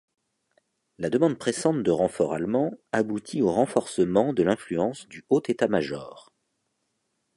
La demande pressante de renforts allemands aboutit au renforcement de l'influence du Haut État-Major.